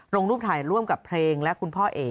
ลงรูปถ่ายร่วมกับเพลงและคุณพ่อเอ๋